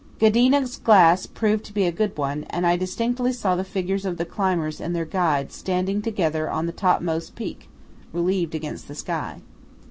Ghedina's glass proved to be a good one, and I distinctly saw the figures of the climbers and their guides standing together on the topmost peak, relieved against the sky.